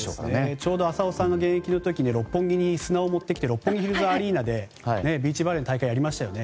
ちょうど浅尾さんが現役の時に六本木に砂を持ってきて六本木ヒルズアリーナでビーチバレーの大会をやりましたよね。